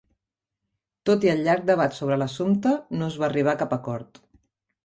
Tot i el llarg debat sobre l'assumpte, no es va arribar a cap acord.